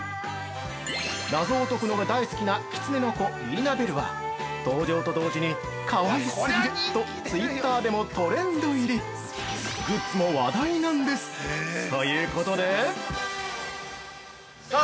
謎を解くのが大好きなキツネの子リーナ・ベルは登場と同時に、「可愛すぎる」とツイッターでもトレンド入り！グッズも話題なんです！ということで◆さあ